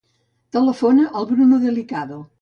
Telefona al Bruno Delicado.